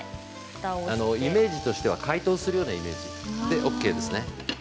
イメージとしては解凍するようなイメージでＯＫです。